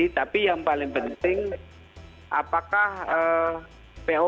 tapi yang paling penting apakah pop nya